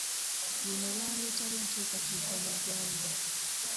Luno lwaleetawo enkyukakyuka mu ggwanga